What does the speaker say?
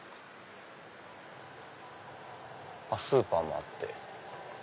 スーパーもあって。